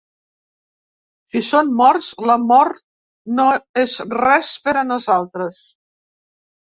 Si som morts, la mort no és res per a nosaltres.